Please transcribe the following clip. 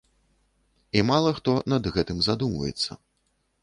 І мала хто над гэтым задумваецца.